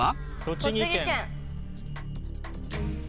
栃木県。